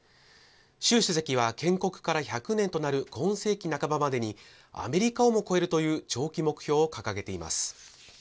習主席は、建国から１００年となる今世紀半ばまでに、アメリカをも超えるという長期目標を掲げています。